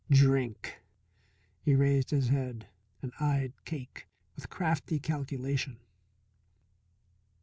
Drink! He raised his head and eyed Cake with crafty calculation.